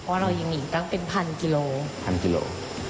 เพราะเรายังหนีตั้งเป็นพันกิโล